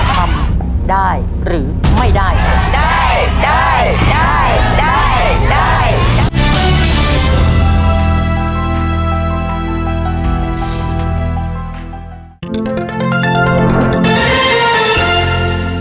โปรดติดตามตอนต่อไป